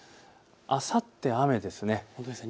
あさって雨ですね。